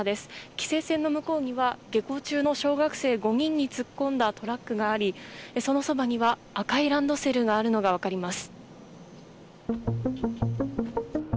規制線の向こうには下校中の小学生５人に突っ込んだトラックがありそのそばには赤いランドセルがあるのが分かります。